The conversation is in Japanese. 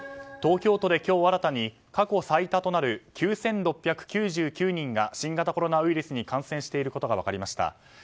東京都で今日新たに過去最多となる９６９９人が新型コロナウイルスに感染していることが分かりました。